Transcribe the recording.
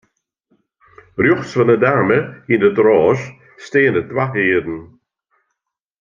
Rjochts fan 'e dame yn it rôs steane twa hearen.